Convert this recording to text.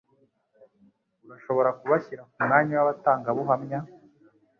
Urashobora kubashyira kumwanya wabatangabuhamya?